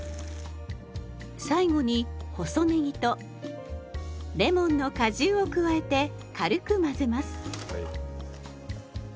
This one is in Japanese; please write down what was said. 最後に細ねぎとレモンの果汁を加えて軽く混ぜます。